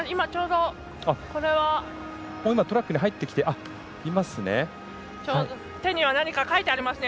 トラックに入ってきていますね。